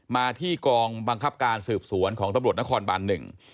มาที่กองบังคับการสืบสวนของตำรวจนครบานหนึ่ง